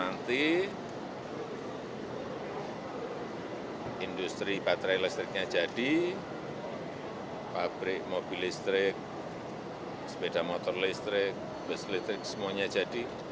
nanti industri baterai listriknya jadi pabrik mobil listrik sepeda motor listrik bus listrik semuanya jadi